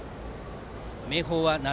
明豊は夏